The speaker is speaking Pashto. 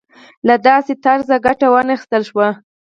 له داسې طرزه ګټه وانخیستل شوه.